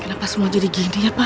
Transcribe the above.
kenapa semua jadi gini ya pak